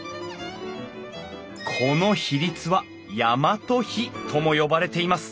この比率は大和比とも呼ばれています。